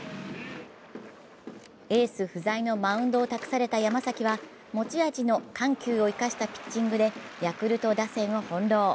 エース不在のマウンドを託された山崎は持ち味の緩急を生かしたピッチングでヤクルト打線を翻弄。